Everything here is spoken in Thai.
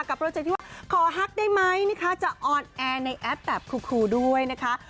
โปรเจคที่ว่าขอฮักได้ไหมนะคะจะออนแอร์ในแอปแบบครูด้วยนะคะ